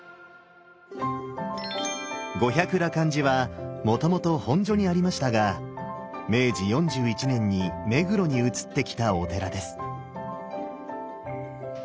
五百羅漢寺はもともと本所にありましたが明治４１年に目黒に移ってきたお寺です。